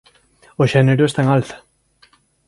O xénero está en alza.